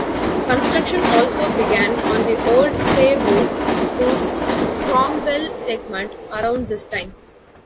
Construction also began on the Old Saybrook to Cromwell segment around this time.